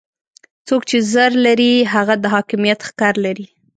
څوک چې زر لري هغه د حاکميت ښکر لري.